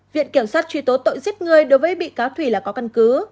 viện kiểm sát truy tố tội giết người đối với bị cáo thủy là có căn cứ